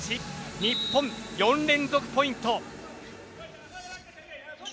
日本、４連続ポイント。